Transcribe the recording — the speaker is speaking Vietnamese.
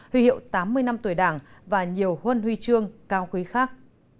huy hiệu tám mươi năm tuổi đảng và nhiều huân huy chương cao quý khác